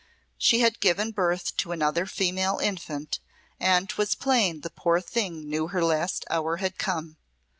"She had given birth to another female infant, and 'twas plain the poor thing knew her last hour had come.